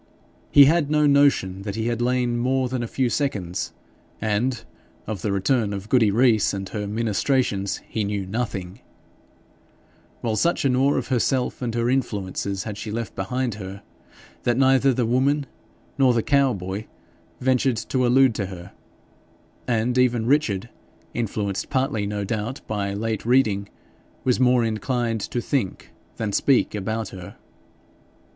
He had no notion that he had lain more than a few seconds; and of the return of Goody Rees and her ministrations he knew nothing; while such an awe of herself and her influences had she left behind her, that neither the woman nor the cow boy ventured to allude to her, and even Richard, influenced partly, no doubt, by late reading, was more inclined to think than speak about her.